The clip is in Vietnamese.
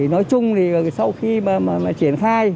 nói chung thì sau khi mà triển khai